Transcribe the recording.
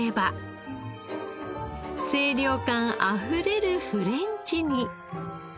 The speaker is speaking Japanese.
清涼感あふれるフレンチに。